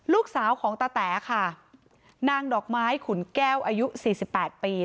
ลูกสาวของตาแต๋ค่ะนางดอกไม้ขุนแก้วอายุสี่สิบแปดปี